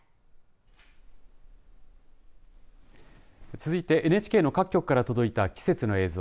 続いてＮＨＫの各局から届いた季節の映像。